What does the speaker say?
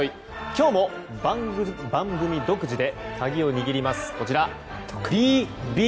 今日も、番組独自で鍵を握ります